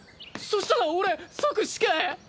そしたら俺即死刑⁉